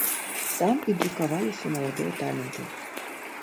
Там і друкаваліся маладыя таленты.